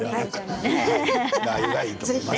ラーユがいいと思います。